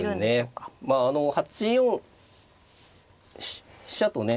まああの８四飛車とね